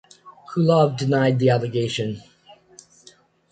Kulov denied the allegation.